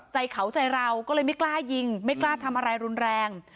ใจเขาใจเราก็เลยไม่กล้ายิงไม่กล้าทำอะไรรุนแรง